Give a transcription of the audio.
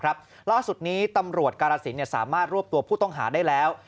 ล่าสุดนี้ตำรวจกาลสินสามารถรวบตัวผู้ต้องหาได้แล้ว